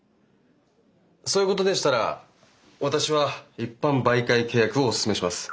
そういうことでしたら私は一般媒介契約をおすすめします。